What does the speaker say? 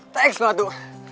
thanks banget du